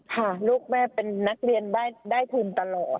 ค่ะลูกแม่เป็นนักเรียนได้ทุนตลอด